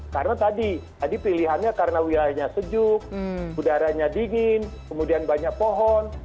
karena tadi tadi pilihannya karena wilayahnya sejuk udaranya dingin kemudian banyak pohon